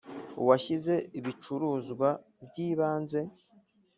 uwashyize ibicuruzwa by ibanze